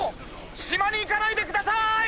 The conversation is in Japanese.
しまにいかないでください！